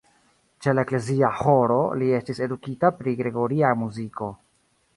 Ĉe la eklezia ĥoro li estis edukita pri la gregoria muziko.